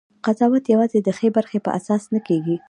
قضاوت یوازې د ښې برخې په اساس نه کېږي.